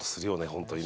本当にね。